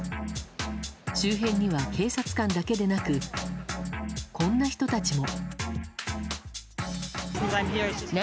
周辺には、警察官だけでなくこんな人たちも。